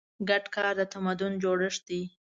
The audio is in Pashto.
ګډ کار د تمدن جوړښت دی.